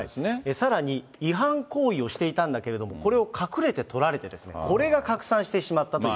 さらに、違反行為をしていたんだけれども、これを隠れて撮られて、これが拡散してしまったという。